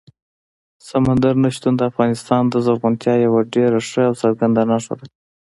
سمندر نه شتون د افغانستان د زرغونتیا یوه ډېره ښه او څرګنده نښه ده.